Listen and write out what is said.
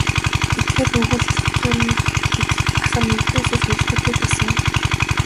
Эдгээр өгүүлэл түүнийх гэдгийг ах нь ердөөсөө ч мэддэггүй байсан юм.